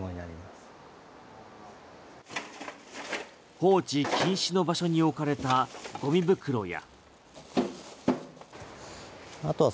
放置禁止の場所に置かれたゴミ袋や。